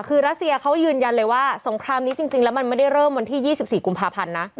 คือรัสเซียเขายืนยันเลยว่าสงครามนี้จริงแล้วมันไม่ได้เริ่มวันที่๒๔กุมภาพันธ์นะ